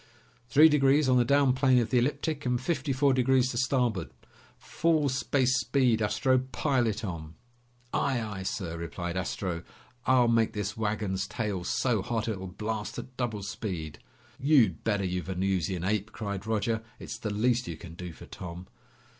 "Three degrees on the down plane of the ecliptic, and fifty four degrees to starboard. Full space speed, Astro! Pile it on!" "Aye, aye, sir!" replied Astro. "I'll make this wagon's tail so hot it'll blast at double speed!" "You'd better, you Venusian ape!" cried Roger. "It's the least you can do for Tom!"